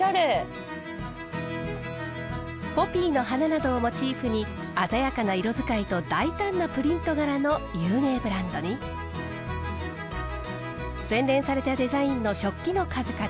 ポピーの花などをモチーフに鮮やかな色づかいと大胆なプリント柄の有名ブランドに洗練されたデザインの食器の数々。